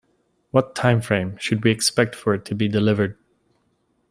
What time frame should we expect for it to be delivered?